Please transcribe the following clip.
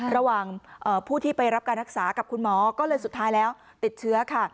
ระหว่างผู้ที่ไปรับการรักษากับคุณหมอก็เลยสุดท้ายแล้วติดเชื้อค่ะ